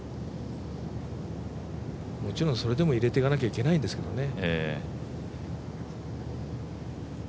もちろんそれでも入れていかなきゃいけないんですけどね。